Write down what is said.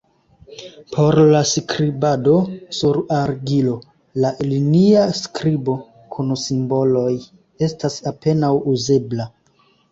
Por la skribado sur argilo, la linia skribo kun simboloj estas apenaŭ uzebla.